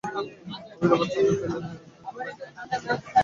আফ্রিদি আবার ছন্দ পেলে লাইন-লেংথ ভুলিয়ে দিতে পারেন মালিঙ্গার মতো বোলারকেও।